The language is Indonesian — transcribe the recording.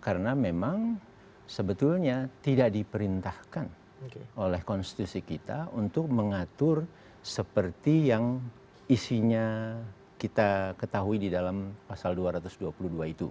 karena memang sebetulnya tidak diperintahkan oleh konstitusi kita untuk mengatur seperti yang isinya kita ketahui di dalam pasal dua ratus dua puluh dua itu